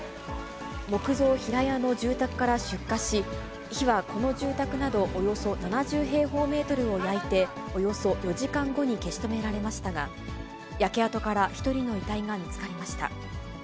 木造平屋の住宅から出火し、火はこの住宅など、およそ７０平方メートルを焼いて、およそ４時間後に消し止められましたが、焼け跡から１人の遺体が見つかりました。